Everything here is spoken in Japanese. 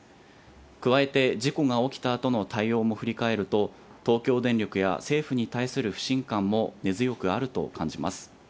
加えて、事故が起きたあとの対応も振り返ると、東京電力や政府に対する不信感も根強くあると感じます。